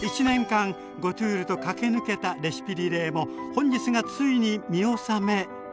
１年間ゴトゥールと駆け抜けたレシピリレーも本日がついに見納め。